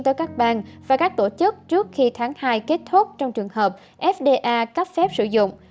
tới các bang và các tổ chức trước khi tháng hai kết thúc trong trường hợp fda cấp phép sử dụng